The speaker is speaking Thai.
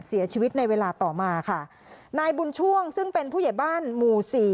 เสียชีวิตในเวลาต่อมาค่ะนายบุญช่วงซึ่งเป็นผู้ใหญ่บ้านหมู่สี่